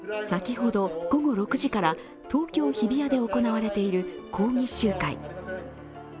先ほど午後６時から東京・日比谷で行われている抗議集会。